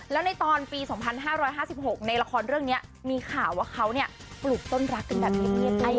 แล้วในตอนปี๒๕๕๖ในละครเรื่องนี้มีข่าวว่าเขาปลูกต้นรักกันแบบเงียบ